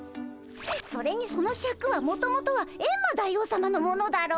それにそのシャクはもともとはエンマ大王さまのものだろ？